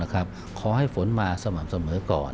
ขอให้ฝนมาสม่ำเสมอก่อน